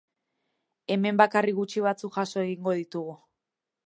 Hemen bakarrik gutxi batzuk jaso egingo ditugu.